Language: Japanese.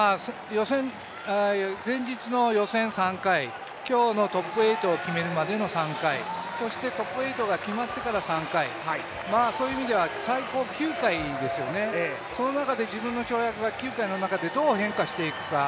前日の予選３回、今日のトップ８を決めるまでの３回、そしてトップ８が決まってから３回、最高９回ですよね、その中で自分の跳躍がどう変化していくか。